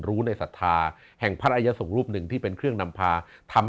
รู้ในศรัทธาแห่งพระอายสงฆ์รูปหนึ่งที่เป็นเครื่องนำพาทำ